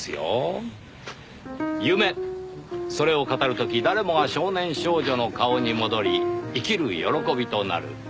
「それを語る時誰もが少年少女の顔に戻り生きる喜びとなる」。